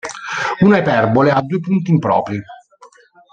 Una iperbole ha due punti impropri.